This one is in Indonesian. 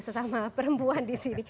sesama perempuan di sini